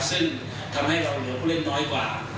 ซึ่งทำให้เราเหลือผู้เล่นน้อยกว่า